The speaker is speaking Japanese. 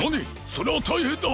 それはたいへんだ！